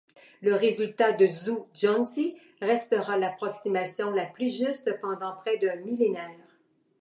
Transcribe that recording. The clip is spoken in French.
Le résultat de Zu Chongzhi restera l'approximation la plus juste pendant près d'un millénaire.